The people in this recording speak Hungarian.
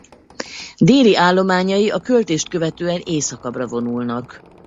Déli állományai a költést követően északabbra vonulnak.